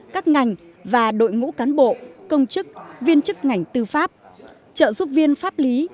các ngành và đội ngũ cán bộ công chức viên chức ngành tư pháp trợ giúp viên pháp lý